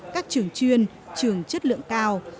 các trường chuyên trường chất lượng cao